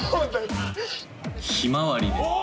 ひまわりで。